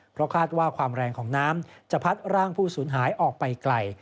เพราะคาดว่าความแรงของน้ำจะพัดร่างผู้สูญหายออกไปไกล